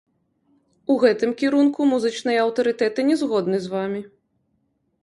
У гэтым кірунку музычныя аўтарытэты не згодны з вамі!